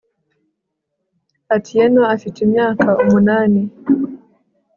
atieno afite imyaka umunani